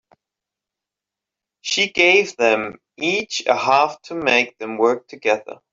She gave them each a half to make them work together.